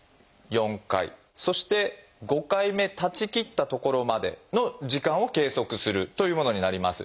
そして５回目立ちきったところまでの時間を計測するというものになります。